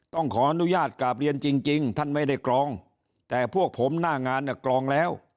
ต้องขออนุญาตกราบเรียนจริงท่านไม่ได้กรองแต่พวกผมหน้างานเนี่ยกรองแล้ว